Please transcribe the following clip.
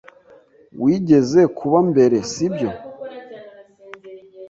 Wigeze kuba mbere, sibyo?